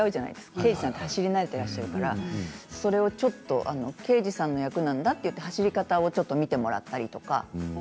刑事さんは走り慣れていらっしゃるからそれをちょっと刑事さんの役なんだって走り方を見てもらったりとか。